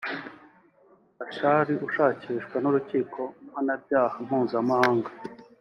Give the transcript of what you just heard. Bashir ushakishwa n’urukiko mpanabyaha mpuzamahanga